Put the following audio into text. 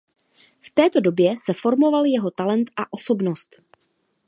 V této době se formoval jeho talent a osobnost.